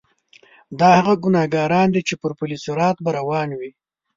دا هغه ګناګاران دي چې پر پل صراط به روان وي.